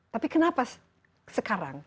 tapi kenapa sekarang